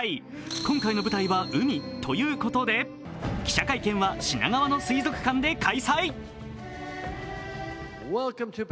今回の舞台は海ということで、記者会見は品川の水族館で開催！